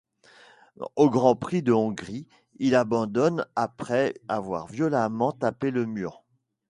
Au Grand Prix de Hongrie il abandonne après avoir violemment tapé le mur.